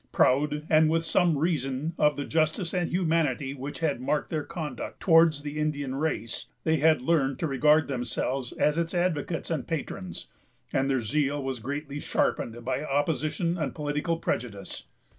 Proud, and with some reason, of the justice and humanity which had marked their conduct towards the Indian race, they had learned to regard themselves as its advocates and patrons, and their zeal was greatly sharpened by opposition and political prejudice.